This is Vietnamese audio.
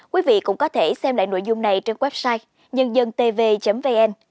quý vị cũng có thể xem lại nội dung này trên website nhândân tv vn